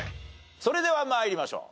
それでは参りましょう。